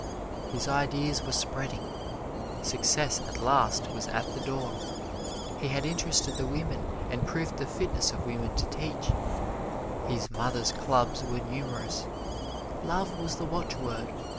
His ideas were spreading success, at last, was at the door, he had interested the women and proved the fitness of women to teach his mothers' clubs were numerous love was the watchword.